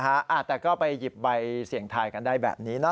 แต่ก็ไปหยิบใบเสี่ยงทายกันได้แบบนี้เนอ